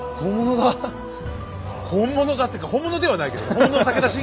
本物だっていうか本物ではないけどね。